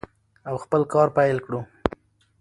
او خپل کار پیل کړو.